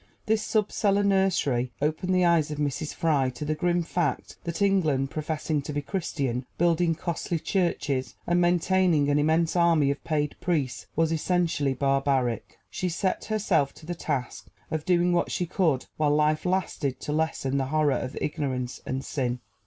This sub cellar nursery opened the eyes of Mrs. Fry to the grim fact that England, professing to be Christian, building costly churches, and maintaining an immense army of paid priests, was essentially barbaric. She set herself to the task of doing what she could while life lasted to lessen the horror of ignorance and sin.